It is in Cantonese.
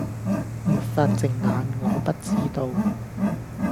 沒法睜眼，我不知道。